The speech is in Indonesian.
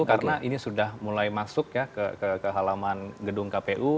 karena ini sudah mulai masuk ya ke halaman gedung kpu